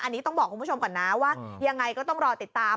อันนี้ต้องบอกคุณผู้ชมก่อนนะว่ายังไงก็ต้องรอติดตาม